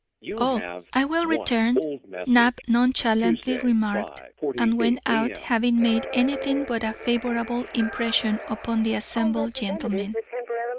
"Oh, I will return," Knapp nonchalantly remarked, and went out, having made anything but a favourable impression upon the assembled gentlemen.